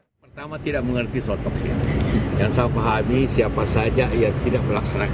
kepentingan rakyat tidak banyak